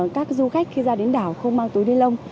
các du khách khi ra đến đảo không mang túi ni lông